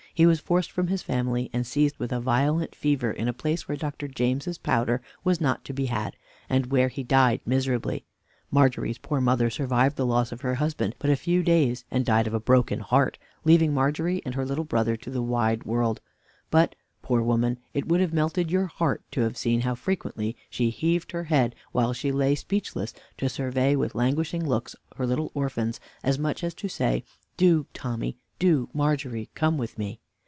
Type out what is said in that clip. He was forced from his family, and seized with a violent fever in a place where Dr. James's powder was not to be had, and where he died miserably. Margery's poor mother survived the loss of her husband but a few days, and died of a broken heart, leaving Margery and her little brother to the wide world; but, poor woman, it would have melted your heart to have seen how frequently she heaved her head, while she lay speechless, to survey with languishing looks her little orphans, as much as to say, "Do, Tommy, do, Margery, come with me."